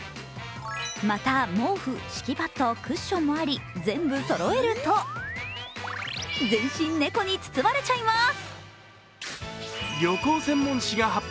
また毛布、敷きパッド、クッションもあり、全部そろえると、全身猫に包まれちゃいます。